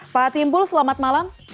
pak timbul selamat malam